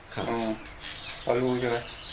ครับพอรู้ใช่ไหม